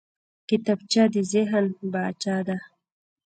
کتابچه د ذهن باغچه ده